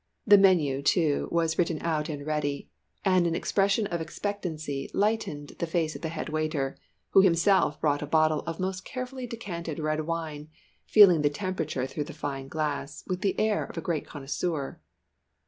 The menu, too, was written out and ready, and an expression of expectancy lightened the face of the head waiter who himself brought a bottle of most carefully decanted red wine, feeling the temperature through the fine glass with the air of a great connoisseur.